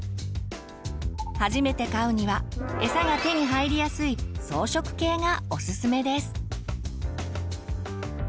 初めて飼うにはエサが手に入れやすい草食系がおすすめです。